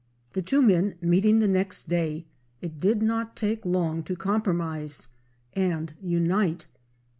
The two men meeting the next day it did not take long to compromise and unite.